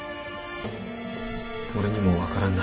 俺にも分からんだ。